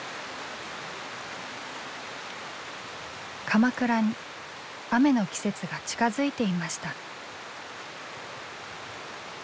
鎌倉に雨の季節が近づいていました。